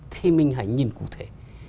thì mình hãy nhìn cụ thể